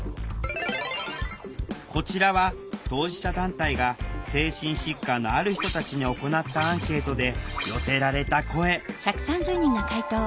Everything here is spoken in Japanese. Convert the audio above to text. こちらは当事者団体が精神疾患のある人たちに行ったアンケートで寄せられた声断る必要ないじゃん。